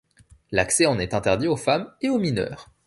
L'accès en est interdit aux femmes et aux mineurs.